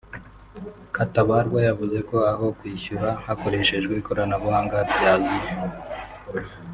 Katabarwa yavuze ko aho kwishyura hakoreshejwe ikoranabuhanga byaziye